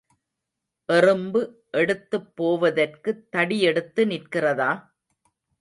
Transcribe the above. எறும்பு எடுத்துப் போவதற்குத் தடி எடுத்து நிற்கிறதா?